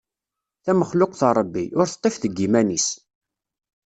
Tamexluqt n Ṛebbi, ur teṭṭif deg yiman-is.